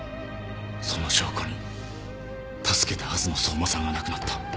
その証拠に助けたはずの相馬さんが亡くなった